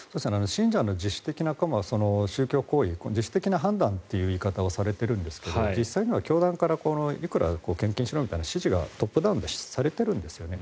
信者の自主的な宗教行為自主的な判断という言い方をされているんですが実際には教団からいくら献金しろみたいな指示がトップダウンでされているんですよね。